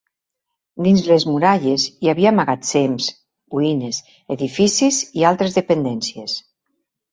Dins les muralles, hi havia magatzems, cuines, edificis i altres dependències.